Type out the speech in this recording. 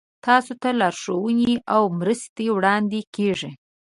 تاسو ته لارښوونې او مرستې وړاندې کیږي.